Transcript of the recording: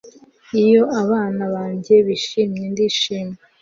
Iyo abana banjye bishimye ndishima